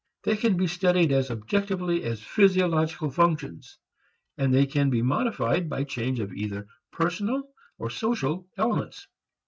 They can be studied as objectively as physiological functions, and they can be modified by change of either personal or social elements.